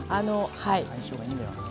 相性がいいんだよな。